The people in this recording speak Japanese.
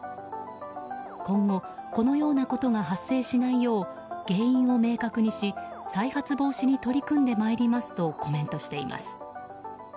今後、このようなことが発生しないよう原因を明確にし、再発防止に取り組んでまいりますとコメントしています。